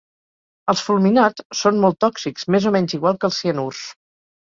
Els fulminats són molt tòxics, més o menys igual que els cianurs.